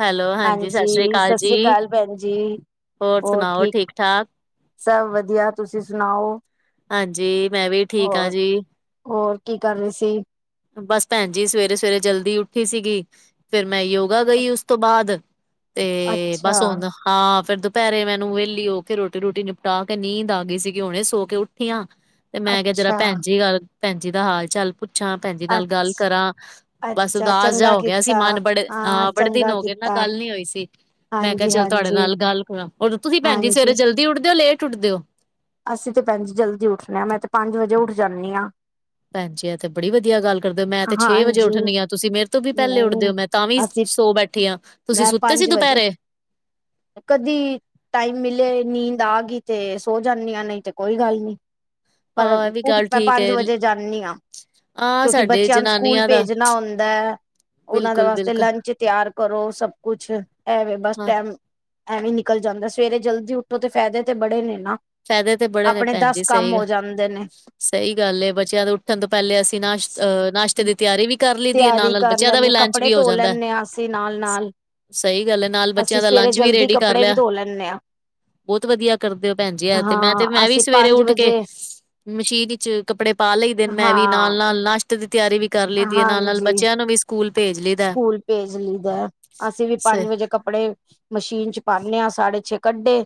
Hello ਸਤਿ ਸ੍ਰੀ ਹਾਂਜੀ, ਅਕਾਲ ਸਤਿ ਜੀ ਸ੍ਰੀ ਅਕਾਲ ਭੈਣ ਜੀ ਹੋਰ ਠੀਕ ਸਭ ਵਧੀਆ, ਤੁਸੀਂ ਸੁਣਾਓ? ਹਾਂਜੀ, ਮੈਂ ਵੀ ਠੀਕ ਆ ਹੋਰ, ਜੀ। ਹੋਰ ਕੀ ਕਰ ਰੇ ਸੀ? ਬਸ ਭੈਣ ਜੀ ਸਵੇਰੇ-ਸਵੇਰੇ ਜਲਦੀ ਉੱਠੀ ਸੀਗੀ। ਫੇਰ ਮੈਂ ਯੋਗਾ ਗਈ ਉਸ ਤੋਂ ਬਾਅਦ ਤੇ ਅੱਛਾ, ਬਸ ਹੁਣ ਹਾਂ ਫਿਰ ਦੁਪਹਿਰੇ ਮੈਨੂੰ ਵਿਹਲੀ ਹੋ ਕੇ ਰੋਟੀ ਰੂਟੀ ਨਿਪਟਾ ਕੇ ਨੀਂਦ ਆ ਗਈ ਸੀਗੀ ਹੁਨੇ ਸੋ ਕੇ ਉੱਠੀ ਆਂ ਤੇ ਮੈਂ ਕਿਹਾ ਜਰਾ ਅੱਛਾ, ਭੈਣ ਜੀ ਗੱਲ ਭੈਣ ਜੀ ਦਾ ਹਾਲ ਚਾਲ ਪੁੱਛਾਂ ਭੈਣ ਜੀ ਅ ਨਾਲ ਗੱਲ ਕਰਾਂ ਬਸ ਅੱਛਾ ਉਦਾਸ ਜਿਹਾ ਚੰਗਾ ਹੋ ਗਿਆ ਸੀ ਕੀਤਾ, ਮਨ ਬੜੇ ਹਾਂ ਅਹ ਬੜੇ ਦਿਨ ਚੰਗਾ ਹੋ ਗਏ ਨਾ ਕੀਤਾ, ਗੱਲ ਨੀ ਹੋਈ ਸੀ। ਮੈਂ ਕਿਹਾ ਹਾਂਜੀ, ਚਲ ਤੁਹਾਡੇ ਹਾਂਜੀ। ਨਾਲ ਗੱਲ ਕਰਾਂ ਹੋਰ ਤੁਸੀਂ ਭੈਜੀ ਸਵੇਰੇ ਹਾਂਜੀ, ਜਲਦੀ ਉੱਠਦੇ ਓ ਲੇਟ ਉੱਠਦੇ ਓ ਅਸੀਂ ਤੇ ਭੈਣ ਜੀ ਜਲਦੀ ਉੱਠਨੇ ਹਾਂ। ਮੈਂ ਤੇ ਪੰਜ ਵਜੇ ਉੱਠ ਜਾਂਨੀ ਹਾਂ। ਭੈਣਜੀ ਆ ਤੇ ਬੜੀ ਵਧੀਆ ਗੱਲ ਕਰਦੇ ਹੋ ਮੈਂ ਤੇ ਛੇ ਵਜੇ ਹਾਂਜੀ, ਉੱਠਣੀ ਆ ਤੁਸੀਂ ਮੇਰੇ ਤੋਂ ਵੀ ਪਹਿਲੇ ਉੱਠਦੇ ਨਹੀਂ ਹੋ ਮੈਂ ਤਾਂ ਵੀ ਅਸੀਂ ਸੌ ਬੈਠੀ ਹਾਂ। ਤੁਸੀਂ ਮੈਂ ਸੁੱਤੇ ਸੀ ਪੰਜ ਵਜੇ, ਦੁਪਹਿਰੇ ਕਦੀ ਟਾਈਮ ਮਿਲੇ ਨੀਂਦ ਆ ਗਈ ਤੇ ਸੋ ਜਾਂਦੀਆਂ ਨਹੀਂ ਤੇ ਕੋਈ ਗੱਲ ਨੀ ਆ ਪਰ ਇਹ ਵੀ ਉਠ ਗੱਲ ਮੈਂ ਠੀਕ ਹੈ ਪੰਜ ਵਜੇ ਜਾਂਦੀ ਹਾਂ। ਆ ਕਿਉਂਕਿ ਸਾਡੇ ਬੱਚਿਆਂ ਨੂੰ ਸਕੂਲ ਜਨਾਨੀਆਂ ਦਾ ਭੇਜਣਾ ਹੁੰਦਾ ਹੈ। ਉਹਨਾਂ ਦੇ ਬਿਲਕੁਲ ਵਾਸਤੇ ਬਿਲਕੁਲ ਲੰਚ ਤਿਆਰ ਕਰੋ ਸਭ ਕੁਛ ਐ ਵੇ ਬਸ ਹਾਂ ਟਾਈਮ ਐਵੇਂ ਨਿਕਲ ਜਾਂਦਾ ਸਵੇਰੇ ਜਲਦੀ ਉੱਠੋ ਤੇ ਫਾਇਦੇ ਤੇ ਬੜੇ ਨੇ ਨਾ ਫਾਇਦੇ ਤੇ ਬੜੇ ਨੇ ਆਪਣੇ ਭੈਣ ਦਸ ਜੀ ਸਹੀ ਕੰਮ ਗ- ਹੋ ਜਾਂਦੇ ਨੇ। ਸਹੀ ਗੱਲ ਏ ਬੱਚਿਆਂ ਦੇ ਉੱਠਣ ਤੋਂ ਪਹਿਲੇ ਅਸੀਂ ਨਾਸ਼ਤ ਨਾਸ਼ ਹਤੇ ਦੀ ਤਿਆਰੀ ਵੀ ਕਰ ਲਈ ਦੀ ਹੈ ਨਾਲ ਤਿਆਰੀ ਨਾਲ ਕਰ ਬੱਚਿਆਂ ਦਾ ਵੀ ਲੈਂਦੇ ਲੰਚ ਕੱਪੜੇ ਵੀ ਹੋ ਧੋ ਜਾਂਦਾ। ਲੈਂਦੇ ਹਾਂ ਅਸੀਂ ਨਾਲ ਨਾਲ ਸਹੀ ਗੱਲ ਹੈ। ਨਾਲ ਬੱਚਿਆਂ ਅਸੀਂ ਦਾ ਸਵੇਰੇ ਲੰਚ ਵੀ ਜਲਦੀ ਰੇਡੀ ਕਰ ਕੱਪੜੇ ਵੀ ਲਿਆ ਧੋ ਲੈਂਦੇ ਹਾਂ। ਬਹੁਤ ਵਧੀਆ ਕਰਦੇ ਹੋ ਭੈਣ ਜੀ। ਤੇ ਮੈਂ ਤੇ ਹਾਂ ਮੈਂ ਵੀ ਅਸੀਂ ਸਵੇਰੇ ਪੰਜ ਉੱਠ ਕੇ ਵਜੇ ਮਸ਼ੀਨ ਵਿੱਚ ਕੱਪੜੇ ਪਾ ਲਈ ਦੇ ਮੈਂ ਵੀ ਨਾਲ ਹਾਂ -ਨਾਲ ਨਾਸ਼ਤੇ ਦੀ ਤਿਆਰੀ ਵੀ ਕਰ ਲਈ ਦੀ ਹੈ ਨਾਲ ਨਾਲ ਹਾਂਜੀ ਬੱਚਿਆਂ ਨੂੰ ਵੀ ਸਕੂਲ ਭੇਜ ਲ ਸਕੂਲ ਭੇਜ ਲਈਦਾ ਅਸੀਂ ਵੀ ਪੰਜ ਵਜੇ ਕੱਪੜੇ ਮਸ਼ੀਨ ਚ ਪਾਉਂਦੇ ਹਾਂ ਸਾਢੇ ਛੇ ਕੱਢੇ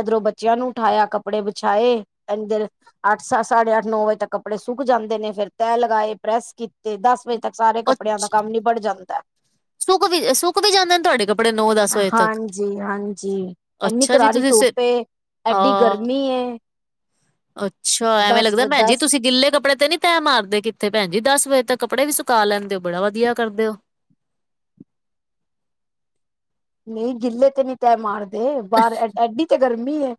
ਇਧਰੋਂ ਬੱਚਿਆਂ ਨੂੰ ਉਠਾਇਆ ਕੱਪੜੇ ਬਛਾਏ ਇਧਰ- ਅੱਠ ਸ ਸਾਢੇ ਅੱਠ ਨੌ ਵਜੇ ਤੱਕ ਕੱਪੜੇ ਸੁੱਕ ਜਾਂਦੇ ਨੇ ਫੇਰ ਤੈਅ ਲਗਾਏ ਪ੍ਰੈਸ ਕੀਤੇ ਦਸ ਵਜੇ ਇਹ ਸਾਰੇ ਉਹ ਕੱਪੜਿਆਂ ਦਾ ਕੰਮ ਨੀਬੜ ਜਾਂਦਾ। ਸੁੱਕ ਵੀ ਸੁੱਕ ਵੀ ਜਾਂਦੇ ਨੇ ਤੁਹਾਡੇ ਕੱਪੜੇ ਨੌ ਦਸ ਵਜੇ ਤੱਕ ਜੀ ਹਾਂਜੀ ਏਨੀ ਅੱਛਾ ਜੀ ਕਰਾਰੀ ਤੁਸੀਂ ਸ ਧੁੱਪ ਏਡੀ ਆਹ ਗਰਮੀ ਏ ਅੱਛਾ, ਐਵੇਂ ਦਸ ਲੱਗਦਾ ਵ ਭੈਣ ਜੀ ਦਸ ਤੁਸੀਂ ਗਿੱਲੇ ਕੱਪੜੇ ਤੇ ਨੀ ਤੈਅ ਮਾਰਦੇ ਕੀਤੇ ਭੈਣ ਜੀ ਦਸ ਵਜੇ ਤਕ ਕੱਪੜੇ ਵੀ ਸੁਕਾ ਲੈਂਦੇ ਹੋ ਬੜਾ ਵਧੀਆ ਕਰਦੇ ਹੋ। ਨਹੀਂ ਗਿੱਲੇ ਤੇ ਨੀ ਤੈਅ ਮਾਰਦੇ ਬਾਹਰ ਐਡੀ ਤੇ ਗਰਮੀ ਏ।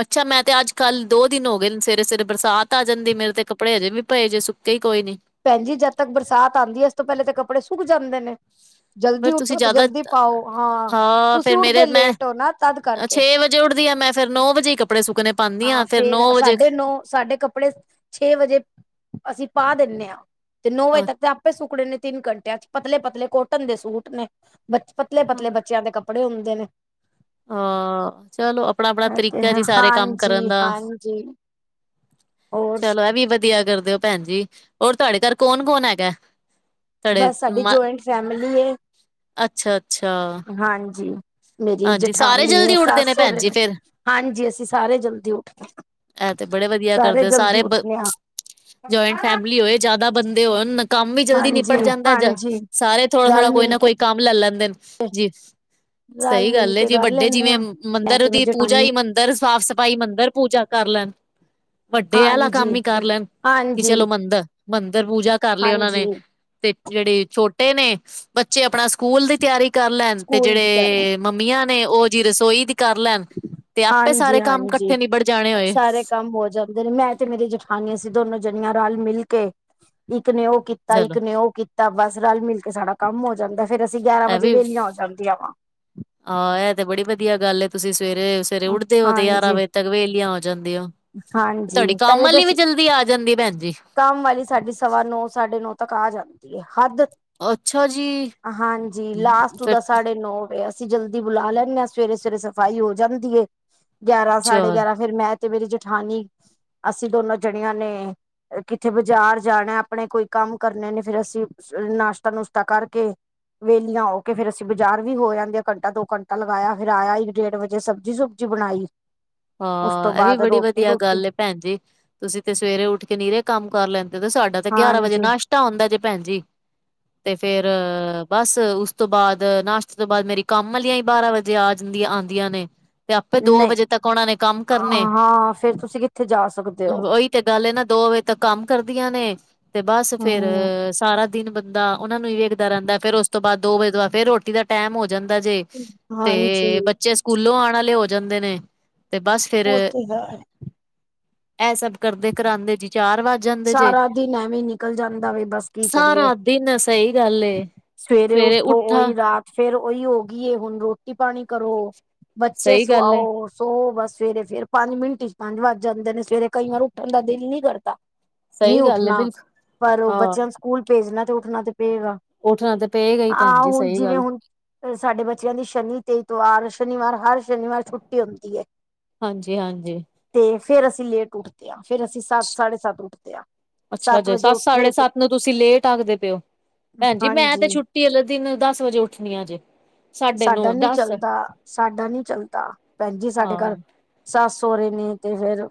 ਅੱਛਾ, ਮੈਂ ਤੇ ਅੱਜ ਕੱਲ੍ਹ ਦੋ ਦਿਨ ਹੋ ਗਏ ਸਵੇਰੇ ਸਵੇਰੇ ਬਰਸਾਤ ਆ ਜਾਂਦੀ ਮੇਰੇ ਤੇ ਕੱਪੜੇ ਹਜੇ ਵੀ ਪਏ ਜੇ ਸੁ ਸੁੱਕੇ ਈ ਕੋਈ ਨੀ ਭੈਣ ਜੀ ਜਦ ਤੱਕ ਬਰਸਾਤ ਆਉਂਦੀ ਹੈ ਉਸ ਤੋਂ ਪਹਿਲੇ ਤੇ ਕੱਪੜੇ ਸੁੱਕ ਜਾਂਦੇ ਨੇ। ਪਰ ਜਲਦੀ ਤੁਸੀਂ ਉੱਠੋ ਤੇ ਜ਼ਿਆਦਾ ਜਲਦੀ ਪਾਓ ਹਾਂ ਤੁਸੀਂ ਫੇਰ ਮੇਰੇ ਉੱਠਦੇ ਮੈਂ ਲੇਟ ਹੋ ਨਾ ਤਦ ਕਰਕੇ ਛੇ ਵਜੇ ਉੱਠਦੀ ਆ ਮੈਂ ਫਿਰ ਨੌ ਵਜੇ ਹੀ ਕੱਪੜੇ ਸੁੱਕਣੇ ਪਾਉਂਦੀ ਆ ਹਾਂ ਫਿਰ ਫੇਰ ਨੌ ਵਜੇ ਸਾਡੇ ਨੋ ਸਾਡੇ ਕੱਪੜੇ ਛੇ ਵਜੇ ਅਸੀਂ ਪਾ ਦਿੰਦੇ ਹਾਂ ਤੇ ਨੌ ਵਜੇ ਤੱਕ ਤਾਂ ਕਪੜੇ ਸੁੱਕਣੇ ਨੇ ਤਿੰਨ ਘੰਟਿਆਂ ਚ ਪਤਲੇ ਪਤਲੇ ਕੋਟਨ ਦੇ ਸੂਟ ਨੇ ਬ ਪਤਲੇ ਅੱਛਾ ਪਤਲੇ ਬੱਚਿਆਂ ਦੇ ਕੱਪੜੇ ਕੱਪੜੇ ਹੁੰਦੇ ਨੇ। ਹਾਂ ਚਲੋ ਆਪਣਾ ਆਪਣਾ ਤਰੀਕਾ ਜੀ ਸਾਰੇ ਕੰਮ ਕਰਨ ਦਾ ਜੀ ਚਲੋ ਇਹ ਵੀ ਵਧੀਆ ਕਰਦੇ ਓ ਭੈਣ ਜੀ ਹੋਰ ਤੁਹਾਡੇ ਘਰ ਕੌਣ ਕੌਣ ਹੈਗਾ ਤੁਹਾਡੇ ਬਸ ਸਾਡੀ ਮ ਜੁਆਇੰਟ ਫੈਮਲੀ ਏ ਅੱਛਾ ਅੱਛਾ ਹਾਂਜੀ ਮੇਰੀ ਹਾਂਜੀ ਸਾਰੇ ਜਠਾਨੀ ਹੈ ਜਲਦੀ ਉੱਠਦੇ ਸਸ ਭੈਣ ਸੋਰੇ ਜੀ ਨੇ ਫਿਰ ਹਾਂਜੀ ਅਸੀਂ ਸਾਰੇ ਜਲਦੀ ਉੱਠਨੇ ਆ। ਇਹ ਤੇ ਬੜੇ ਵਧੀਆ ਕਰਦੇ ਸਾਰੇ, ਹਾਂ ਜੁਆਇੰਟ ਫੈਮਲੀ ਹੋਏ ਜਿਆਦਾ ਬੰਦੇ ਹੋਨ ਕੰਮ ਵੀ ਜਲਦੀ ਨਿਪਟ ਹਾਂਜੀ ਜਾਂਦਾ, ਹਾਂਜੀ ਸਾਰੇ ਥੋੜਾ- ਰਲ ਥੋੜਾ ਕੋਈ ਮਿਲ ਨਾ ਕੋਈ ਕੇ ਕੰਮ ਲੈ ਲੈਂਦੇ ਨੇ ਜੀ ਰਲ ਸਹੀ ਮਿਲ ਗੱਲ ਏ ਕੇ ਜਿਵੇ ਕਰ ਵੱਡੇ ਲੈਂਨੇ ਆ ਜਿਵੇਂ ਮੈਂ ਮੰਦਿਰ ਤੇ ਮੇਰੀ ਦੀ ਪੂਜਾ ਜੇਠਾਣੀ ਹੀ ਮੰਦਿਰ ਸਾਫ਼ ਸਫ਼ਾਈ ਬਾਈ ਮੰਦਰਿ ਪੂਜਾ ਕਰ ਲੈਣ ਵੱਡੇ ਆ ਵਾਲਾ ਹਾਂਜੀ ਕੰਮ ਹੀ ਕਰ ਲੈਣ ਕਿ ਹਾਂਜੀ ਚਲੋ ਮੰਦਰ ਮੰਦਿਰ ਪੂਜਾ ਕਰ ਲਈ ਉਹਨਾਂ ਨੇ ਹਾਂਜੀ ਤੇ ਜਿਹੜੇ ਛੋਟੇ ਨੇ ਬੱਚੇ ਆਪਣਾ ਸਕੂਲ ਦੀ ਤਿਆਰੀ ਕਰ ਲੈਣ ਤੇ ਸਕੂਲ ਦੀ ਤਿਆਰੀ ਜਿਹੜੇ ਮੰਮੀਆਂ ਨੇ ਉਹ ਜੀ ਰਸੋਈ ਦੀ ਕਰ ਲੈਣ ਤੇ ਆਪੇ ਹਾਂਜੀ ਸਾਰੇ ਕੰਮ ਹਾਂਜੀ ਇਕੱਠੇ ਨੀ ਬੜ ਸਾਰੇ ਕੰਮ ਹੋ ਜਾਂਦੇ ਨੇ ਮੈਂ ਤੇ ਮੇਰੀ ਜਠਾਨੀ ਅਸੀ ਦੋਨੋ ਜਣੀਆਂ ਰਲ ਮਿਲ ਕੇ, ਇੱਕ ਨੇ ਉਹ ਕੀਤਾ ਤਾਂ ਚਲੋ ਇੱਕ ਨੇ ਉਹ ਕੀਤਾ ਬਸ ਰਲ ਮਿਲ ਕੇ ਸਾਡਾ ਕੰਮ ਹੋ ਜਾਂਦਾ ਫੇਰ ਅਸੀਂ ਗਿਆਰਾਂ ਇਹ ਵਜੇ ਵੀ ਵਹਲੀਆਂ ਹੋ ਜਾਂਦੀਆਂ ਵਾ ਆਹ ਇਹ ਤੇ ਬੜੀ ਵਧੀਆ ਗੱਲ ਤੁਸੀਂ ਸਵੇਰੇ- ਸਵੇਰੇ ਉੱਠਦੇ ਹੋ ਤੇ ਗਿਆਰਾਂ ਹਾਂਜੀ ਵਜੇ ਤੇ ਵੇਹਲੀਆ ਹੋ ਜਾਂਦੀ ਹੋ। ਹਾਂਜੀ ਤੁਹਾਡੀ ਕੰਮ ਪਹਿਲੇ ਤਾਂ ਵਾਲੀ ਵੀ ਅਸੀਂ ਜਲਦੀ ਆ ਜਾਂਦੀ ਆ ਭੈਣ ਜੀ ਕੰਮ ਵਾਲੀ ਸਾਡੀ ਸਵਾ ਨੌ ਸਾਢੇ ਨੌ ਤੱਕ ਆ ਜਾਂਦੀ ਹੈ ਹੱਦ ਅੱਛਾ ਜੀ ਹਾਂਜੀ, ਲਾਸਟ ਉਹ ਫਿਰ ਦਾ ਸਾਢੇ ਨੌ ਵਜੇ ਅਸੀਂ ਜਲਦੀ ਬੁਲਾ ਲੈਂਦੇ ਹਾਂ ਸਵੇਰੇ- ਸਵੇਰੇ ਸਫ਼ਾਈ ਹੋ ਜਾਂਦੀ ਹੈ ਗਿਆਰਾਂ ਸਾਢੇ ਚਲ ਗਿਆਰਾਂ ਫੇਰ ਮੈਂ ਤੇ ਮੇਰੀ ਜੇਠਾਨੀ ਅਸੀਂ ਦੋਨੋ ਜਣੀਆਂ ਨੇ ਕਿੱਥੇ ਬਾਜ਼ਾਰ ਜਾਣਾ ਆਪਣੇ ਕੋਈ ਕੰਮ ਕਰਨੇ ਨੇ ਫੇਰ ਅਸੀਂ ਸਵੇਰੇ ਨਾਸ਼ਤਾ ਨੁਸ਼ਤਾ ਕਰਕੇ ਵੇਲੀਆਂ ਹੋ ਕੇ ਫੇਰ ਅਸੀਂ ਬਜ਼ਾਰ ਵੀ ਹੋ ਆਂਦੇ ਘੰਟਾ ਦੋ ਘੰਟਾ ਲਗਾਇਆ ਫੇਰ ਆਇਆ ਇੱਕ ਡੇਢ ਵਜੇ ਸਬਜ਼ੀ ਸੋਬ ਬਣਾਈ ਉਸ ਤੋਂ ਹਾਂ, ਇਹ ਵੀ ਬਾਅਦ ਬੜੀ ਰੋਟੀ ਵਧੀਆ ਰੂਟੀ ਗੱਲ ਏ ਭੈਣ ਜੀ ਤੁਸੀਂ ਤੇ ਸਵੇਰੇ ਉੱਠ ਕੇ ਨੀਰੇ ਕੰਮ ਕਰ ਲੈਂਦੇ, ਤੇ ਸਾਡਾ ਤੇ ਗਿਆਰਾਂ ਵਜੇ ਹਾਂਜੀ ਨਾਸਤਾ ਤਾਂ ਹੁੰਦਾ ਜੇ ਭੈਣ ਜੀ ਤੇ ਫੇਰ ਬਸ ਉਸ ਤੋਂ ਬਾਅਦ ਨਾਸ਼ਤੇ ਤੋਂ ਬਾਅਦ ਮੇਰੀ ਕੰਮ ਵਾਲੀ ਆਈ ਬਾਰਾਂ ਵਜੇ ਜੇ ਆ ਜਾਂਦੀਆਂ ਆਉਂਦੀਆਂ ਨੇ ਤੇ ਆਪੇ ਦੋ ਨਹੀਂ ਵਜੇ ਤੱਕ ਉਹਨਾਂ ਨੇ ਕੰਮ ਕਰਨੇ ਹਾਂ ਫੇਰ ਤੁਸੀਂ ਕਿੱਥੇ ਜਾ ਸਕਦੇ ਹੋ ਉਹੀ ਤੇ ਗੱਲ ਇਹ ਨਾ ਦੋ ਵਜੇ ਤੱਕ ਕੰਮ ਕਰਦੀਆਂ ਨੇ ਤੇ ਬਸ ਫੇਰ ਹਮ ਸਾਰਾ ਦਿਨ ਬੰਦਾ ਉਹਨਾਂ ਨੂੰ ਹੀ ਵੇਖਦਾ ਰਹਿੰਦਾ ਫੇਰ ਉਸ ਤੋਂ ਬਾਅਦ ਦੋ ਵਜੇ ਤੋਂ ਬਾਅਦ ਫਿਰ ਰੋਟੀ ਦਾ ਟਾਈਮ ਹੋ ਜਾਂਦਾ ਜੇ ਹਾਂਜੀ ਤੇ ਬੱਚੇ ਸਕੂਲੋਂ ਆਉਣ ਵਾਲੇ ਹੋ ਜਾਂਦੇ ਨੇ ਤੇ ਬਸ ਫਿਰ ਉਹ ਤੇ ਹੈ ਇਹ ਸਭ ਕਰਦੇ ਕਰਾਂਂਦੇ ਜੀ ਚਾਰ ਵਜ ਸਾਰਾ ਦਿਨ ਐਵੇਂ ਨਿਕਲ ਜਾਂਦਾ ਵੀ ਬਸ ਕੀ ਕਰੀਏ ਸਾਰਾ ਦਿਨ ਸਹੀ ਗੱਲ ਏ ਸਵੇਰੇ ਉੱਠੋ ਉਹੀ ਰਾਤ ਫੇਰ ਉਹੀ ਹੋ ਗਈਏ ਹੁਣ ਰੋਟੀ ਪਾਣੀ ਕਰੋ ਬੱਚੇ ਸਹੀ ਗੱਲ ਏ ਸੁਆਓ ਸੋ ਬਸ ਸਵੇਰੇ ਫੇਰ ਪੰਜ ਮਿੰਟ ਚ ਪੰਜ ਵੱਜ ਜਾਂਦੇ ਨੇ ਸਵੇਰੇ ਕਈ ਵਾਰ ਉੱਠਣ ਦਾ ਦਿਲ ਨੀ ਕਰਦਾ ਨਈ ਸਹੀ ਗੱਲ ਏ ਉੱਠਣਾ, ਬਿਲਕੁਲ ਪਰ ਹਾਂ ਬੱਚਿਆਂ ਨੂੰ ਸਕੂਲ ਭੇਜਣਾ ਤੇ ਉੱਠਣਾ ਤੇ ਪੇਏਗਾ। ਉੱਠਣਾ ਤਾਂ ਪਏਗਾ ਹੀ ਭੈਣ ਜੀ ਸਹੀ ਗੱਲ ਏ। ਹੁਣ ਸਾਡੇ ਬੱਚਿਆਂ ਦੀ ਸ਼ਨੀ ਤੇ ਐਤਵਾਰ ਸ਼ਨੀਵਾਰ ਹਰ ਸ਼ਨੀਵਾਰ ਛੁੱਟੀ ਹੁੰਦੀ ਹੈ। ਹਾਂਜੀ- ਹਾਂਜੀ ਤੇ ਫੇਰ ਅਸੀਂ ਲੇਟ ਉੱਠਦੇ ਹਾਂ ਫੇਰ ਅਸੀਂ ਸੱਤ ਸਾਢੇ ਸੱਤ ਉੱਠਦੇ ਹਾਂ ਅੱਛਾ ਜੇ ਵਜੇ ਸੱਤ ਸਾਢੇ ਉੱਠੇ ਤੇ ਸੱਤ ਨੂੰ ਤੁਸੀਂ ਲੇਟ ਆਖਦੇ ਪਓ ਭੈਣ ਜੀ ਮੈਂ ਤੇ ਹਾਂਜੀ ਛੁੱ ਟੀ ਵਾਲੇ ਦਿਨ ਦਸ ਵਜੇ ਉੱਠਣੀ ਜੇ ਸਾਢੇ ਸਾਡਾ ਨੌ ਨੀ ਦਸ ਚੱਲਦਾ, ਸਾਡਾ ਨੀ ਚੱਲਦਾ ਭੈਣ ਜੀ ਸਾਡੇ ਹਾਂ ਘਰ ਸੱਸ ਸਹੁਰੇ ਨੇ ਤੇ ਫੇਰ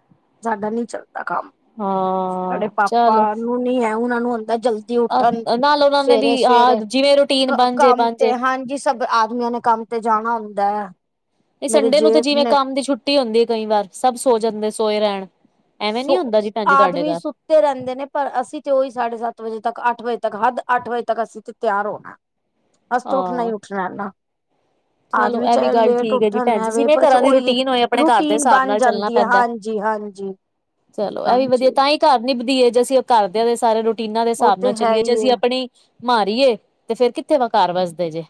ਸਾਡਾ ਨਈ ਚੱਲਦਾ ਕੰਮ ਹਾਂ ਸਾਡੇ ਪਾਪਾ ਚਲੋ ਨੂੰ ਨੀ ਹੈ ਉਹਨਾਂ ਨੂੰ ਹੁੰਦਾ ਜਲਦੀ ਉੱਠਣ, ਨਾਲ ਉਹਨਾਂ ਨੇ ਵੀ ਹਾਂ ਸਵੇਰੇ-ਸਵੇਰੇ ਜਿਵੇਂ ਰੂਟੀਨ ਬਣ ਜੇ ਕੰਮ ਬਣ ਤੇ ਜੇ ਹਾਂਜੀ। ਸਭ ਆਦਮੀਆਂ ਨੇ, ਕੰਮ ਤੇ ਜਾਣਾ ਹੁੰਦਾ ਹੈ। ਏ ਮੇਰੇ ਸੰਡੇ ਨੂੰ ਤੇ, ਜੇਠ ਜਿਵੇਂ ਨੇ ਕੰਮ ਦੀ ਛੁੱਟੀ ਹੁੰਦੀ ਹੈ, ਕਈ ਵਾਰ ਸਭ ਸੋ ਜਾਂਦੇ, ਸੋਏ ਰਹਿਣ। ਐਵੇਂ ਨੀ ਹੁੰਦਾ ਜੀ, ਭੈਣਜੀ ਤੁਹਾਡੇ ਘਰ ਤੇ ਰਹਿੰਦੇ ਨੇ, ਪਰ ਅਸੀਂ ਤੇ ਉਹੀ, ਸਾਢੇ ਸੱਤ ਵਜੇ ਤੱਕ ਅੱਠ ਵਜੇ ਤੱਕ, ਹਦ ਅੱਠ ਵਜੇ ਤੱਕ, ਅਸੀਂ ਤੇ ਤਿਆਰ ਹੋਣਾਗੇ। ਹ। ਅਸ ਤਾਂ, ਉਠਣਾ ਹੀ ਉੱਠਨਾ। [unintelligible] ਆਦਮੀ ਇਹ ਵੀ ਚਾਹੇ ਗੱਲ ਲੇਟ ਠੀਕ ਹੈ ਉੱਠ, ਜੀ ਣ ਭੈਣ ਜੀ ਐਵੇ ਜਿਵੇਂ ਬਸ ਘਰਾਂ ਦੀ ਉਹੀ ਰੂਟੀਨ ਹੋਏ ਆਪਣੇ ਘਰ ਦੇ ਰੂਟੀਨ ਹਿਸਾਬ ਬਣ ਨਾਲ ਚੱਲਣਾ ਜਾਂਦੀ ਹੈ, ਪੈਂਦਾ। ਹਾਂਜੀ -ਹਾਂਜੀ। ਜੀ। ਚਲੋ, ਇਹ ਵੀ ਵਧੀਆ, ਤਾਂ ਹੀ ਘਰ ਨਿਭਦੀ ਏ, ਜੇ ਅਸੀਂ ਉਹ ਕਰਦੇਆਂ ਦੇ ਸਾਰੇ ਰੋਟੀ ਟੀਨਾਦੇ ਉਹ ਹਿਸਾਬ ਨਾਲ ਤੇ ਹੈ ਚਲੀਏ, ਜੇ ਹੀ ਅਸੀਂ ਹੈ ਆਪਣੀ ਮਾਰੀਏ, ਤੇ ਫੇਰ ਕਿੱਥੇ ਵਾ ਕਾਰ ਵਜਦੇ ਜੇ।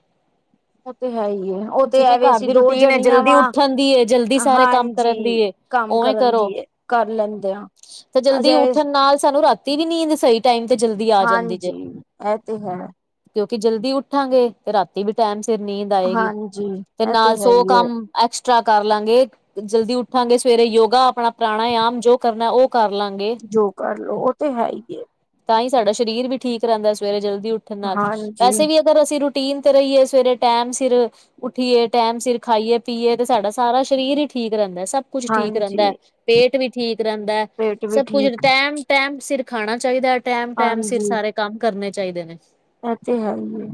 ਉਹ ਤੇ ਹੈ ਹੀ ਹੈ। ਉਹ ਤੇ ਜਿਵੇਂ ਐਵੇ, ਘਰ ਅਸੀਂ ਦੀ ਦੋ ਰੂਟੀਨ ਹੈ ਜਣੀਆਂ ਜਲਦੀ ਵਾ, ਉੱਠਣ ਦੀ ਏ ਜਲਦੀ ਸਾਰੇ ਕੰਮ ਹਾਂਜੀ, ਕਰਨ ਦੀ ਏ। ਕੰਮ ਉਵੇਂ ਕਰਨ ਕਰੋ। ਦੀ ਕਰ ਲੈਂਦੇ ਹਾਂ। ਤੇ ਜਲਦੀ ਅਸੀਂ ਉੱਠਣ ਨਾਲ, ਸਾਨੂੰ ਰਾਤੀ ਵੀ ਨੀ ਸਹੀ ਟਾਈਮ ਤੇ ਜਲਦੀ ਆ ਜਾਂਦੀ ਜੇ। ਹਾਂਜੀ ਇਹ ਤੇ ਹੈ। ਕਿਉਂਕਿ ਜਲਦੀ ਉੱਠਾਂਗੇ, ਤੇ ਰਾਤੀ ਵੀ ਟਾਈਮ ਸਿਰ ਨੀਂਦ ਆਏਗੀ, ਹਾਂਜੀ ਤੇ ਇਹ ਨਾਲ ਹੈ ਸੌ ਹੀ ਹੈ ਕੰਮ ਐਕਸਟਰਾ ਕਰ ਲਾਂਗੇ, ਜਲਦੀ ਉੱਠਾਂਗੇ, ਸਵੇਰੇ ਯੋਗਾ, ਆਪਣਾ ਪ੍ਰਾਣਾਯਮ, ਜੋ ਕਰਨਾ ਉਹ ਕਰ ਲਾਂਗੇ। ਜੋ ਕਰਲੋ, ਉਹ ਤੇ ਹੈ ਹੀ। ਤਾਂ ਹੀ ਸਾਡਾ ਸਰੀਰ ਵੀ ਠੀਕ ਰਹਿੰਦਾ, ਸਵੇਰੇ ਜਲਦੀ ਉੱਠਣ ਨਾਲ, ਹਾਂਜੀ ਵੈਸੇ ਵੀ ਫੇਰ ਅਸੀਂ ਰੂਟੀਨ ਤੇ ਰਹੀਏ, ਸਵੇਰੇ ਟਾਈਮ ਸਿਰ ਉੱਠੀਏ, ਟੈਮ ਸਿਰ ਖਾਈਏ ਪੀਏ, ਤੇ ਸਾਡਾ ਸਾਰਾ ਸਰੀਰ ਹੀ ਠੀਕ ਰਹਿੰਦਾ, ਸਭ ਕੁੱਛ ਠੀਕ ਰਹਿੰਦਾ ਹੈ। ਹਾਂਜੀ ਪੇਟ ਵੀ ਠੀਕ ਰਹਿੰਦਾ ਹੈ, ਪੇਟ ਵੀ ਸਭ ਕੁਝ ਠੀਕ ਟੈਮ-ਟੈਮ ਸਿਰ ਖਾਣਾ ਚਾਹੀਦਾ। ਟੈਮ-ਟੈਮ ਸਿਰ ਹਾਂਜੀ ਸਾਰੇ ਕੰਮ ਕਰਨੇ ਚਾਹੀਦੇ ਨੇ। ਇਹ ਤੇ ਹੈ ਹੀ ਹੈ,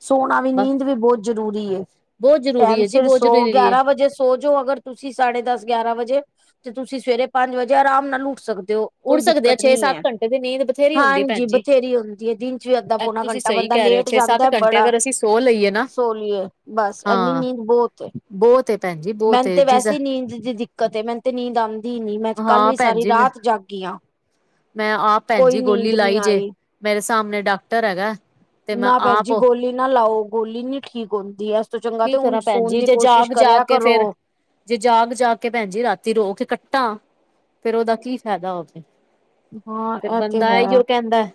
ਸੋਨਾ ਵੀ, ਬਸ ਨੀਂਦ ਵੀ ਬਹੁਤ ਜ਼ਰੂਰੀ ਏ ਬਹੁਤ ਜ਼ਰੂਰੀ ਟਾਈਮ ਹੈ ਜੀ ਸਿਰ ਬਹੁਤ ਸੌ, ਜ਼ਰੂਰੀ ਹੈ। ਗਿਆਰਾਂ ਵਜੇ ਸ ਸੋ ਜਾੋ ਅਗਰ, ਤੁਸੀਂ ਸਾਢੇ ਦਸ ਗਿਆਰਾਂ ਵਜੇ ਤੇ ਤੁਸੀਂ ਸਵੇਰੇ ਪੰਜ ਵਜੇ ਆਰਾਮ ਨਾਲ ਉੱਠ ਸਕਦੇ ਹੋ। ਕੋਈ ਉੱਡ ਸਕਦੇ ਆ ਦਿੱਕਤ ਛੇ ਨੀ ਸੱਤ ਹੈ, ਘੰਟੇ ਦੀ ਨੀਂਦ ਬਥੇਰੀ ਹੁੰਦੀ ਭੈਣ ਹਾਂਜੀ, ਜੀ। ਬਥੇਰੀ ਹੁੰਦੀ ਹੈ ਦਿਨ ਚ ਵੀ ਇੱਦਾਂ ਐ ਤੁਸੀਂ ਘੰਟਾ ਸਹੀ ਬੰਦਾ ਕਹਿ ਰਹੇ ਹੋ ਲੇਟ ਛੇ ਸੱਤ ਜਾਂਦਾ, ਘੰਟੇ ਬੜਾ ਅਗਰ ਅਸੀਂ ਸੋ ਲਈਏ ਨਾ ਸੋਲੀਏ ਬਸ ਐਨੀ ਹਾਂ ਨੀਂਦ ਬਹੁਤ ਬਹੁਤ ਭੈਣ ਜੀ। ਬਹੁਤ ਮੈਨੂੰ ਏ ਤੇ ਜਿਸ ਵੈਸੇ ਹੀ ਨੀਂਦ ਦੀ ਦਿੱਕਤ ਏ ਮੈਨੂੰ ਤੇ ਨੀਂਦ ਆਉਂਦੀ ਹੀ ਨੀ, ਮੈਂ ਕੱਲ ਹਾਂ ਵੀ ਭੈਣ ਸਾਰੀ ਜੀ ਮੈਂ ਰਾਤ ਜਾਗੀ ਆ। ਮੈਂ ਆਪ ਭੈਣ ਕੋਈ ਜੀ, ਗੋਲੀ ਨੀਂਦ ਨੀ ਲਾਈ ਜੇ, ਆਈ ਮੇਰੇ ਸਾਹਮਣੇ ਡਾਕਟਰ ਹੈਗਾ ਤੇ ਮੈਂ ਨਾ ਭੈਣ ਆਪ ਜੀ ਗੋਲੀ ਨਾ ਲਾਓ, ਗੋਲੀ ਨੀ ਠੀਕ ਹੁੰਦੀ ਹੈ। ਚੰਗਾ, ਤੇ ਕੀ ਹੁਣ ਕਰਾਂ ਭੈਣ ਸੋਣ ਜੀ ਦੀ ਜੇ ਕੋਸ਼ਿਸ਼ ਜਾਗ ਜਾਗ ਕਰਿਆ ਕੇ ਕਰੋ। ਫੇਰ ਜੇ ਜਾਗ- ਜਾਗ, ਕੇ ਭੈਣ ਜੀ ਰਾਤੀ ਰੋ ਕੇ ਕੱਟਾ, ਫੇਰ ਉਹਦਾ ਕੀ ਫਾਇਦਾ ਹੋਵੇ? ਹਾਂ ਫਿਰ ਇਹ ਤੇ ਬੰਦਾ ਹੈ ਈ ਉਹ ਕਹਿੰਦਾ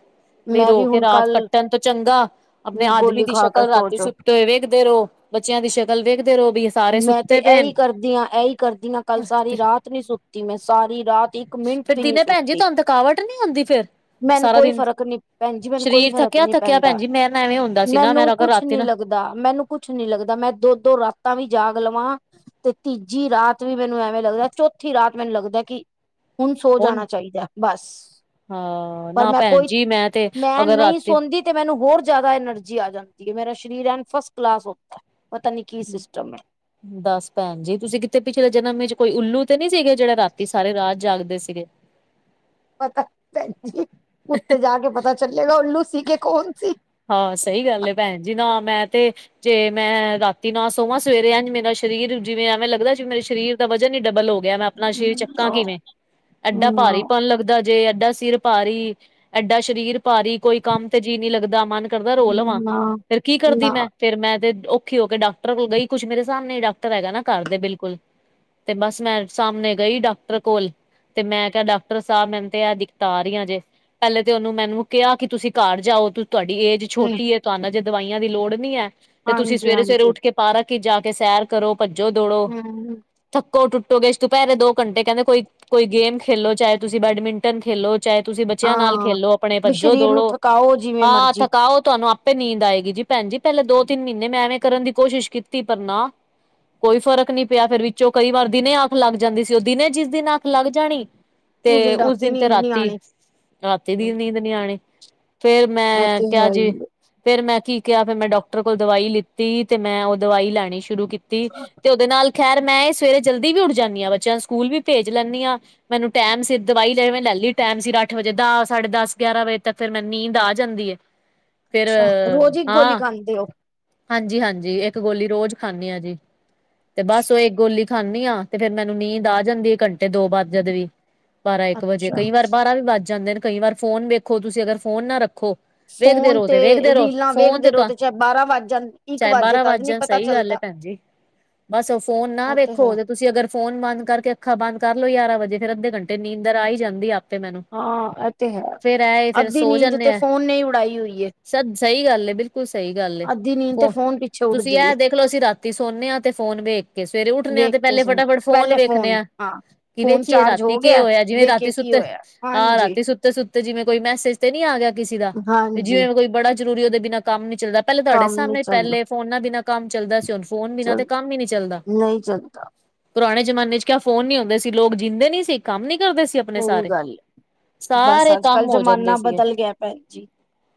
ਨਹੀਂ ਮੈਂ ਰੋ ਵੀ ਕੇ ਹੁਣ ਰਾਤ ਕੱਲ ਕੱਟਣ ਤੋਂ ਚੰਗਾ, ਆਪਣੇ ਆਦਮੀ ਗੋਲੀ ਦੀ ਖਾ ਕੇ ਸ਼ਕਲ ਸੋ ਰਾਤੀ ਜੋ ਸੁੱਤੇਹੋਏ ਵੇਖਦੇ ਰੋ। ਬੱਚਿਆਂ ਦੀ ਸ਼ਕਲ ਵੇਖਦੇ ਰਹੋ ਵੀ ਮੈਂ ਤੇ ਪਏ ਨੇ ਇਹੀ ਕਰਦੀ ਹਾਂ, ਇਹੀ ਕਰਦੀ ਹਾਂ, ਕੱਲ ਸਾਰੀ ਰਾਤ ਨੀ ਸੁੱਤੀ, ਮੈਂ ਸਾਰੀ ਰਾਤ ਇੱਕ ਮਿੰਟ ਫਿਰ ਵੀ ਨੀ ਦੀਨੇ ਭੈਣ ਜੀ, ਸੁੱਤੀ ਤੁਹਾਨੂੰ ਥਕਾਵਟ ਨ ਨਹੀਂ ਹੁੰਦੀ ਫਿਰ ਮੈਨੂੰ ਸਾਰਾ ਕੋਈ ਦਿਨ ਫ਼ਰਕ ਨੀ ਭੈਣ ਜੀ ਮੈਨੂੰ ਕੋਈ ਸਰੀਰ ਫ਼ਰਕ ਨੀ ਥੱਕਿਆ-ਥੱਕਿਆ ਭੈਣ ਪੈਂਦਾ ਜ, ਮੈਂ ਨਾ ਐਵੇਂ ਹੁੰਦਾ ਸੀ ਨਾ, ਮੈਂ ਮੈਨੂੰ ਅਗ ਕੁਛ ਰਾਤੀ ਨੀ ਨਾ ਲੱਗਦਾ ਮੈਨੂੰ ਕੁਛ ਨੀ ਲੱਗਦਾ, ਮੈਂ ਦੋ ਦੋ ਰਾਤ ਤਾਂ ਵੀ ਜਾਗ ਲਵਾਂ ਤੇ ਤੀਜੀ ਰਾਤ ਵੀ ਮੈਨੂੰ ਐਵੇਂ ਲੱਗਦਾ, ਚੌਥੀ ਰਾਤ ਮੈਨੂੰ ਲੱਗਦਾ ਕਿ ਹੁਨ ਸੋ ਹੁਣ ਜਾਣਾ ਚਾਹੀਦਾ ਬਸ। ਹਾਂ, ਪਰ ਨਾ ਮੈਂ ਭੈਣ ਕੋਈ ਜੀ ਮੈਂ ਤੇ ਮੈਂ ਅਗਰ ਰਾ ਨਹੀਂ ਸੌਦੀ ਤੇ ਮੈਨੂੰ ਹੋਰ ਜਾਦਾ ਐਨਰਜੀ ਆ ਜਾਂਦੀ ਏ ਮੇਰਾ ਸਰੀਰ ਐਨ ਫਸਟ ਕਲਾਸ ਹੋਂਦਾ, ਪਤਾ ਨੀ ਕੀ ਸਿਸਟਮ ਹੈ। ਦੱਸ ਭੈਣ ਜੀ, ਤੁਸੀਂ ਕਿੱਥੇ ਪਿੱਛਲੇ ਜਨਮ 'ਚ ਕੋਈ ਉੱਲੂ ਤੇ ਨੀ ਸੀਗੇ ਜੇੜੇ ਰਾਤੀ ਸਾਰੇ ਰਾਤ ਜਾਗਦੇ ਸੀਗੇ। ਪਤਾ ਭੈਣਜੀ ਉੱਤੇ ਜਾ ਕੇ ਪਤਾ ਚੱਲੇਗਾ ਉੱਲੂ ਸੀ ਕਿ ਕੌਣ ਸੀ। ਹਾਂ ਸਈ ਗੱਲ ਐ ਭੈਣ ਜੀ ਨਾ ਮੈਂ ਤੇ ਜੇ ਮੈਂ ਰਾਤੀ ਨਾ ਸੋਵਾਂ ਸਵੇਰੇ ਐਂਜ ਮੇਰਾ ਸਰੀਰ ਜਿਵੇਂ ਐਵੇਂ ਲੱਗਦਾ ਜਿਵੇਂ ਮੇਰੇ ਸਰੀਰ ਦਾ ਵਜਨ ਈ ਡਬਲ ਹੋ ਗਿਆ ਮੈਂ ਆਪਣਾ ਸਰੀਰ ਚੱਕਾ ਨਾ ਕਿਵੇਂ, ਐਡਾ ਭਾਰੀਪਨ ਲੱਗਦਾ ਜੇ ਐਡਾ ਸਿਰ ਭਾਰੀ, ਐਡਾ ਸਰੀਰ ਭਾਰੀ, ਕੋਈ ਕੰਮ ਤੇ ਜੀਅ ਨੀ ਲੱਗਦਾ ਮਨ ਕਰਦਾ ਰੋ ਲਵਾਂ ਫੇਰ ਕੀ ਕਰਦੀ ਨਾ ਮੈਂ। ਫੇਰ ਮੈਂ ਤੇ ਔਖੀ ਹੋ ਕੇ ਡਾਕਟਰ ਕੋਲ ਗਈ, ਕੁੱਛ ਮੇਰੇ ਸਾਮਣੇ ਈ ਡਾਕਟਰ ਹੈਗਾ ਨਾ ਘਰਦੇ ਬਿਲਕੁਲ। ਤੇ ਬਸ ਮੈਂ ਸਾਮਨੇ ਗਈ ਡਾਕਟਰ ਕੋਲ ਤੇ ਮੈਂ ਕਿਆ ਡਾਕਟਰ ਸਾਬ ਮੈਨੂੰ ਤੇ ਐ ਦਿੱਕਤਾਂ ਆ ਰੀਆਂ ਜੇ, ਪੇਲੇ ਤੇ ਓਨੂੰ ਮੈਨੂੰ ਕਿਆ ਕੀ ਤੁਸੀਂ ਘਰ ਜਾਓ ਤੁਰ ਤੁਹਾਡੀ ਏਜ ਛੋਟੀ ਏ, ਤੁਹਾਨੂੰ ਹਜੇ ਦਵਾਈਆਂ ਦੀ ਲੋੜ ਨੀ ਐ। ਤੇ ਤੁਸੀਂ ਹਾਂਜੀ ਸਵੇਰੇ-ਸਵੇਰੇ ਹਾਂਜੀ ਉੱਠ ਕੇ ਪਾਰਕ 'ਚ ਜਾ ਕੇ ਸੈਰ ਕਰੋ, ਭੱਜੋ ਦੌੜੋ। ਹਮ ਥੱਕੋ ਟੁੱਟੋਗੇ, ਦੁਪੈਰੇ ਦੋ ਘੰਟੇ ਕੈਂਦੇ ਕੋਈ, ਕੋਈ ਗੇਮ ਖੇਲੋ ਚਾਹੇ ਤੁਸੀਂ ਬੈਡਮਿੰਟਨ ਖੇਲੋ। ਚਾਹੇ ਤੁਸੀਂ ਬੱਚਿਆਂ ਨਾਲ ਹਾਂ ਖੇਲੋ, ਆਪਣੇ ਵੀ ਭੱਜੋ ਸਰੀਰ ਨੂੰ ਦੌੜੋ ਥਕਾਓ ਜਿਵੇਂ ਹਾਂ ਮਰਜੀ ਥਕਾਓ ਤੁਹਾਨੂੰ ਆ ਪੇ ਨੀਂਦ ਆਏਗੀ ਜੀ ਭੈਣ ਜੀ ਪੈਲਾਂ ਦੋ ਤਿੰਨ ਮੀਨੇ ਮੈਂ ਐਵੇਂ ਕਰਨ ਦੀ ਕੋਸ਼ਿਸ਼ ਕੀਤੀ ਪਰ ਨਾ ਕੋਈ ਫਰਕ ਨੀ ਪਿਆ ਫੇਰ ਵਿੱਚੋਂ ਕਈ ਵਾਰ ਦਿਨੇ ਅੱਖ ਲੱਗ ਜਾਂਦੀ ਸੀ ਓ ਦਿਨੇ ਜਿਸ ਦਿਨ ਅੱਖ ਲੱਗ ਜਾਣੀ ਤੇ ਉਸ ਰਾਤੀ ਦਿਨ ਤੇ ਨੀਂਦ ਨੀ ਰਾਤੀ, ਆਣੀ। ਰਾਤੀ ਦੀ ਨੀਂਦ ਨੀ ਆਣੀ। ਫੇਰ ਇਹ ਮੈਂ ਤੇ ਕਿਆ ਹੈ ਜੀ ਹੀ ਫੇਰ ਮੈਂ ਕੀ ਕਿਆ ਫਿਰ ਮੈਂ ਡੋਕਟਰ ਕੋਲ ਦਵਾਈ ਲਿੱਤੀ ਤੇ ਮੈਂ ਓ ਦਵਾਈ ਲੈਣੀ ਸ਼ੁਰੂ ਕੀਤੀ ਤੇ ਓਦੇ ਨਾਲ ਖੈਰ ਮੈਂ ਸਵੇਰੇ ਜਲਦੀ ਵੀ ਉੱਠ ਜਾਂਨੀ ਆ ਬੱਚਿਆਂ ਨੂੰ ਸਕੂਲ ਵੀ ਭੇਜ ਲੈਨੀ ਆ। ਮੈਨੂੰ ਟੈਮ ਸੀ ਦਵਾਈ ਲੈ ਮੈਂ ਲੈ ਲਈ ਟੈਮ ਸਿਰ ਅੱਠ ਵਜੇ ਦਾਸ ਸਾਢੇ ਦਸ ਗਿਆਰਾਂ ਵਜੇ। ਤੇ ਫੇਰ ਮੈਂਨੂੰ ਨੀਂਦ ਆ ਜਾਂਦੀ ਏ ਫੇਰ ਅੱਛਾ ਰੋਜ਼ ਇੱਕ ਗੋਲੀ ਹਾਂ ਖਾਂਦੇ ਹੋ। ਹਾਂਜੀ-ਹਾਂਜੀ ਇੱਕ ਗੋਲੀ ਰੋਜ਼ ਖਾਂਨੀ ਆ ਜੀ ਤੇ ਬਸ ਓ ਇੱਕ ਗੋਲੀ ਖਾਂਨੀ ਆ ਤੇ ਫੇਰ ਮੈਨੂੰ ਨੀਂਦ ਆ ਜਾਂਦੀ ਘੰਟੇ ਦੋ ਬਾਦ ਜਦ ਵੀ, ਬਾਰਾਂ ਇੱਕ ਵਜੇ ਅੱਛਾ ਕਈ ਵਾਰ ਬਾਰਾਂ ਵੀ ਵੱਜ ਜਾਂਦੇ ਨੇ। ਕਈ ਵਾਰ ਫੋਨ ਵੇਖੋ ਤੁਸੀਂ ਅਗਰ ਫੋਨ ਨਾ ਰੱਖੋ। ਵੇਖਦੇ ਫੋਨ ਰਓ ਤੇ ਵੇਖਦੇ ਰਓ, ਰੀਲਾਂ ਫੋਨ ਵੇਖਦੇ ਤੇ ਰਹੋ ਤਾਂ ਚਾਹੇ ਬਾਰਾਂ ਵੱਜ ਜਾਣ ਇੱਕ ਚਾਹੇ ਵੱਜੇ ਬਾਰਾਂ ਤਦ ਵੱਜ ਨੀ ਜਾਣ ਪਤਾ ਸਈ ਗੱਲ ਐ। ਚੱਲਦਾ। ਹਾਂਜੀ, ਬਸ ਫੋਨ ਨਾ ਇਹ ਤੇ ਵੇਖੋ ਹੈ ਓਦੇ ਤੁਸੀਂ ਅਗਰ ਫੋਨ ਬੰਦ ਕਰਕੇ ਅੱਖਾਂ ਬੰਦ ਕਰਲੋ ਯਾਰਾਂ ਵਜੇ ਫੇਰ ਅੱਧੇ ਘੰਟੇ ਨੀਂਦਰ ਆ ਈ ਜਾਂਦੀ ਆਪੇ ਮੈਨੂੰ। ਹਾਂ ਐ ਤੇ ਹੈ, ਫੇਰ ਇਹ ਫੇਰ ਅੱਧੀ ਨੀਂਦ ਤੇ ਫੋਨ ਨੇ ਈ ਉਡਾਈ ਹੋਈ ਏ। ਸਬ ਸਈ ਗੱਲ ਏ, ਬਿਲਕੁੱਲ ਸਈ ਗੱਲ ਏ ਅੱਧੀ ਨੀਂਦ ਤੇ ਫੋਂ ਫੋਨ ਪਿੱਛੇ ਤੁਸੀਂ ਉੱਡਦੀ ਐ ਏ ਦੇ ਦੇਖਲੋ ਅਸੀਂ ਰਾਤੀ ਸੋਨੇ ਆ ਤੇ ਫੋਨ ਵੇਖ ਕੇ, ਸਵੇਰੇ ਉੱਠਨੇ ਆ ਵੇਖ ਤੇ ਕੇ ਪੈਲੇ ਸੁਣ ਫਟਾਫਟ ਫੋਨ ਪਹਿਲੇ ਵੇਖਨੇ ਆ। ਹਾਂ ਕੀ ਫੋਨ ਵੇਖੀਏ ਚਾਰਜ ਰਾਤੀ ਹੋ ਕੇ ਗਿਆ ਹੋਇਆ ਜਿਵੇਂ ਵੇਖੇ ਰਾਤੀ ਕੀ ਸੁੱਤੇ ਹੋਇਆ ਆ ਹਾਂਜੀ ਰਾਤੀ ਸੁੱ ਤੇ ਸੁੱਤੇ ਜਿਵੇਂ ਕੋਈ ਮੈਸੇਜ ਤੇ ਨੀ ਆ ਗਿਆ ਕਿਸੀ ਦਾ ਤੇ ਹਾਂਜੀ ਜਿਵੇਂ ਕੋਈ ਬੜਾ ਜਰੂਰੀ ਓਦੇ ਬਿਨਾਂ ਕੰਮ ਨੀ ਚੱਲਦਾ। ਪੈਲੇ ਤੁਹਾਡੇ ਕੰਮ ਨੀ ਸਾਹਮਣੇ ਚੱਲਣਾ ਪੇਲੇ ਫੋਨਾਂ ਬਿਨਾਂ ਕੰਮ ਚੱਲਦਾ ਸੀ, ਹੁਨ ਫੋਨ ਬਿਨਾ ਚੱਲ ਤੇ ਕੰਮ ਈ ਨੀ ਚੱਲਦਾ। ਨਹੀਂ ਚੱਲਦਾ ਪੁਰਾਣੇ ਜਮਾਨੇ 'ਚ ਕਿਆ ਫੋਨ ਨੀ ਹੁੰਦੇ ਸੀ ਲੋਕ ਜਿੰਂਦੇ ਨੀ ਸੀ, ਕੰਮ ਨੀ ਕਰਦੇ ਸੀ ਅ ਅਪਨੇ ਸਹੀ ਸਾਰੇ, ਗੱਲ ਏ। ਬਸ ਸਾਰੇ ਅੱਜ ਕੱਲ ਕੰਮ ਹੋ ਜਾਂਦੇ ਜ਼ਮਾਨਾ ਸੀਗੇ ਬਦਲ ਗਿਆ ਭੈਣ ਜੀ।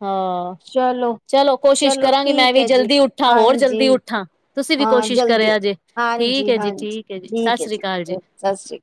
ਹਾਂ। ਚਲੋ ਚਲੋ ਕੋਸ਼ਿਸ਼ ਚਲੋ ਕਰਾਂਗੀ ਮੈਂ ਠੀਕ ਵੀ ਹੈ ਜੀ ਜਲਦੀ ਉੱਠਾਂ ਹੋਰ ਹਾਂਜੀ ਜਲਦੀ ਉੱਠਾਂ, ਤੁਸੀਂ ਵੀ ਹਾਂ ਕੋਸ਼ਿਸ਼ ਜਲਦੀ ਕਰਿਆ ਜੇ। ਠੀਕ ਹਾਂਜੀ ਐ ਜੀ- ਠੀਕ ਐ ਜੀ ਸਸ ਸ੍ਰੀ ਕਾਲ ਜੀ। ਸਸ ਸ਼੍ਰੀ